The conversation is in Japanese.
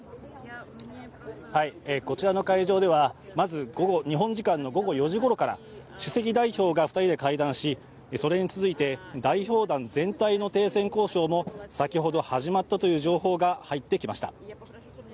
こちらの会場ではまず日本時間の午後４時ごろから首席代表が２人で会談しそれに続いて、代表団全体の停戦交渉も先ほど、始まったという情報も入ってきました。